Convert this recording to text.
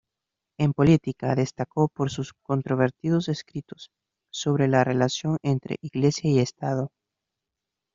En política destacó por sus controvertidos escritos sobre la relación entre iglesia y estado.